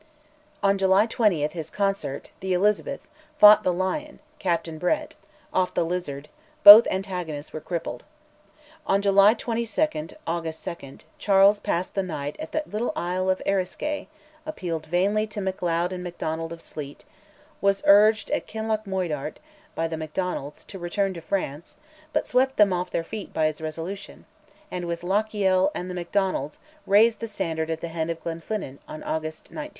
On July 20 his consort, The Elizabeth, fought The Lion (Captain Brett) off the Lizard; both antagonists were crippled. On [July 22/August 2] Charles passed the night on the little isle of Eriskay; appealed vainly to Macleod and Macdonald of Sleat; was urged, at Kinlochmoidart, by the Macdonalds, to return to France, but swept them off their feet by his resolution; and with Lochiel and the Macdonalds raised the standard at the head of Glenfinnan on August [19/30].